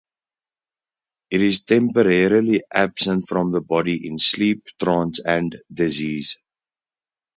It is temporarily absent from the body in sleep, trance, and disease.